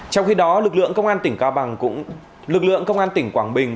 trong khi đó lực lượng công an tỉnh quảng bình